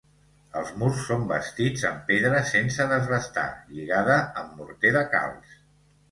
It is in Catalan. Els murs són bastits amb pedra sense desbastar lligada amb morter de calç.